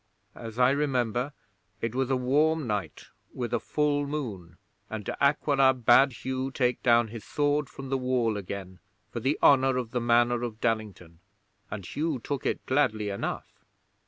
As I remember, it was a warm night with a full moon, and De Aquila bade Hugh take down his sword from the wall again, for the honour of the Manor of Dallington, and Hugh took it gladly enough.